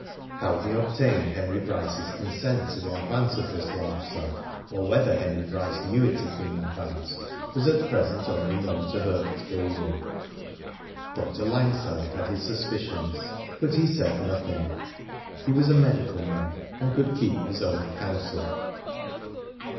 How he obtained Heny Bryce^s consent to the advance of this large sum, or whether Henry Bryce knew it had been advanced, was at present known only to Herbert G'^lding. Dr. Langside had his suspicions, but he said nothing. He was a medical man, and could keep his own counsel.